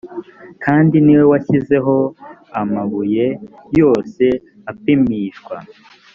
kandi ni we washyizeho amabuye yose apimishwa